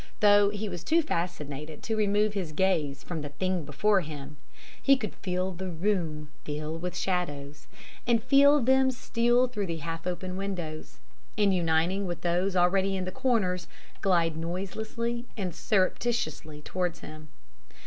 Though he was too fascinated to remove his gaze from the thing before him, he could feel the room fill with shadows, and feel them steal through the half open windows, and, uniting with those already in the corners, glide noiselessly and surreptitiously towards him.